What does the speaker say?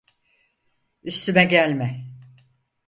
Üstüme gelme.